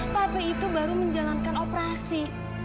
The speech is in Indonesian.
pabrik itu baru menjalankan operasi